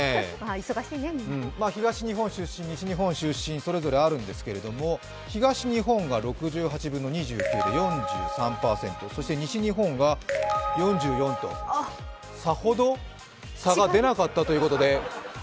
東日本出身、西日本出身とそれぞれあるんですけれども、東日本が６８分の２９で４３％、そして西日本が４４％とさほど差が出なかったということで。